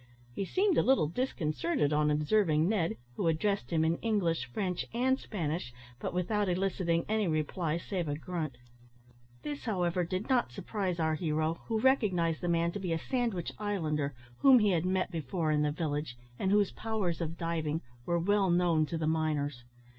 He seemed a little disconcerted on observing Ned, who addressed him in English, French, and Spanish, but without eliciting any reply, save a grunt. This, however, did not surprise our hero, who recognised the man to be a Sandwich Islander whom he had met before in the village, and whose powers of diving were well known to the miners.